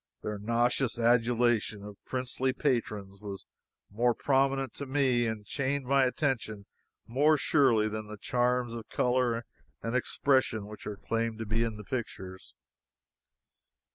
Their nauseous adulation of princely patrons was more prominent to me and chained my attention more surely than the charms of color and expression which are claimed to be in the pictures.